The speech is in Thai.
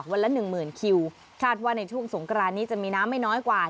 ละหนึ่งหมื่นคิวคาดว่าในช่วงสงกรานนี้จะมีน้ำไม่น้อยกว่า